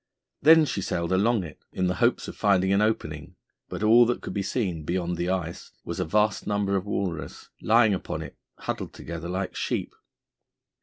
Then she sailed along it, in the hopes of finding an opening; but all that could be seen, beyond the ice, was a vast number of walrus, lying upon it huddled together like sheep.